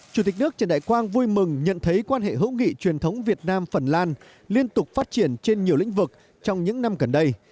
chủ tịch nước trần đại quang vui mừng nhận thấy quan hệ hữu nghị truyền thống việt nam phần lan liên tục phát triển trên nhiều lĩnh vực trong những năm gần đây